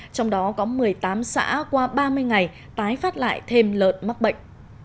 trong đó có một mươi tám xã qua ba mươi ngày tái phát lại thêm lợn mắc bệnh